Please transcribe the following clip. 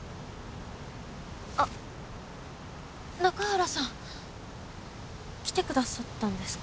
あっ中原さん。来てくださったんですか？